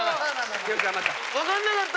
分かんなかった？